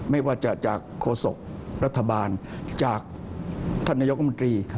ไม่ว่าจะจากโฆษกรัฐบาลจากท่านนายกรมนตรี